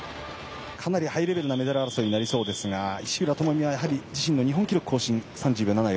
かなりハイレベルなメダル争いになりそうですが石浦智美は自身の日本記録更新３０秒７４。